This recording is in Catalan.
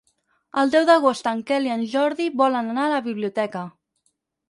El deu d'agost en Quel i en Jordi volen anar a la biblioteca.